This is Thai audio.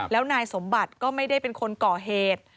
แล้วนายสมบัติก็ไม่ได้เป็นคนก่อเหตุ